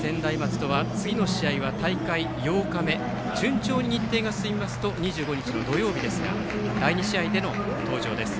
勝った専大松戸は次の試合は大会８日目順調に日程が進みますと２５日の土曜日ですが第２試合での登場です。